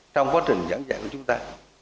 trong quá trình giảng dạy của chúng ta